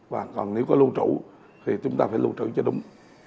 và còn nếu có luôn trụ thì chúng ta phải luôn trụ cho đúng